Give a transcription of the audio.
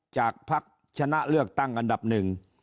พักชนะเลือกตั้งอันดับหนึ่ง